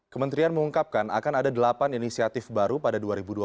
kementerian mengungkapkan akan ada delapan inisiatif baru pada dua ribu dua puluh